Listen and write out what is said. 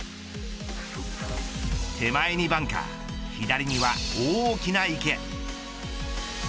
手前にバンカー左には大きな池。